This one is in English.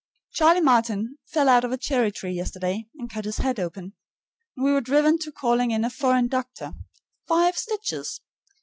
Charlie Martin fell out of a cherry tree yesterday and cut his head open, and we were driven to calling in a foreign doctor. Five stitches.